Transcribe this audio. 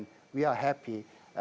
dan kami senang hari ini